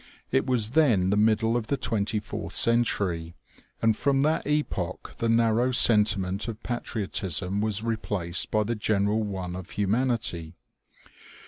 It was then the middle of the twenty fourth century, and from that epoch the narrow sentiment of patriotism was re placed by the general one of humanity.